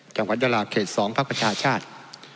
จังหวัดยาลาเขต๒พักประชาชาติ